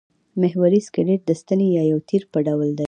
محوري سکلېټ د ستنې یا یو تیر په ډول دی.